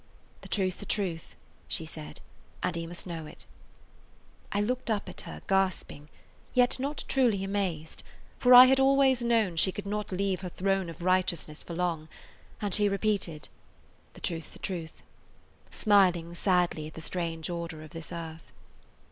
"The truth 's the truth," she said, "and he must know it." [Page 181] I looked up at her, gasping, yet not truly amazed; for I had always known she could not leave her throne of righteousness for long, and she repeated, "The truth 's the truth," smiling sadly at the strange order of this earth.